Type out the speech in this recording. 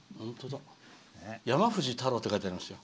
山藤太郎って書いてありますよ。